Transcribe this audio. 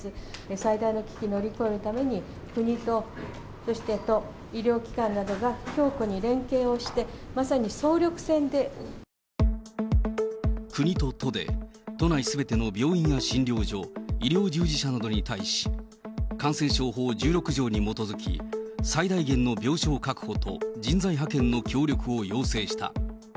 最大の危機を乗り越えるために、国と、そして都、医療機関などが強固に連携をして、国と都で、都内すべての病院や診療所、医療従事者などに対し、感染症法１６条に基づき、最大限の病床確保と人材派遣の協力を要請した。